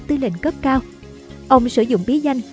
tư lệnh cấp cao ông sử dụng bí danh